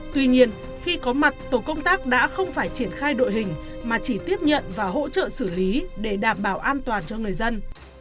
tuy nhiên khi có mặt tổ công tác đã không phải triển khai đội hình mà chỉ tiếp nhận và hỗ trợ xử lý để đảm bảo an toàn cho người dân